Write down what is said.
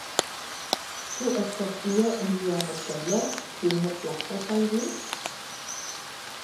Ĉu estas io en mia hotelo, kiu ne plaĉas al vi?